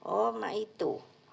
oh mah itu